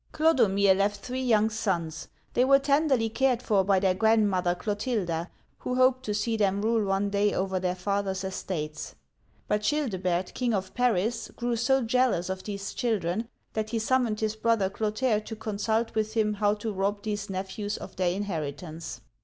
Clodomir left three young sons ; they were tenderly cared for by their grandmother Clotilda, who hoped to see them rule one day over their father's estates. But Chil' debert, king of Paris, grew so jealous of these children that he summoned his brother Clotaire' to consult with him how to rob these nephews of their inheritance.